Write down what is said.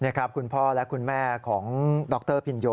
นี่ครับคุณพ่อและคุณแม่ของดรพินโย